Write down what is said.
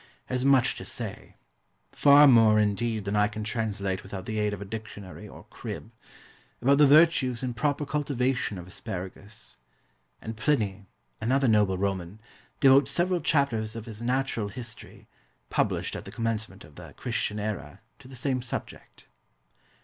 has much to say far more, indeed, than I can translate without the aid of a dictionary or "crib" about the virtues and proper cultivation of asparagus; and Pliny, another noble Roman, devotes several chapters of his Natural History (published at the commencement of the Christian era) to the same subject.